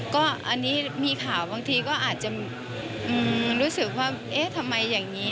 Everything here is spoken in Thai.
ก็อันนี้มีข่าวบางทีก็อาจจะรู้สึกว่าเอ๊ะทำไมอย่างนี้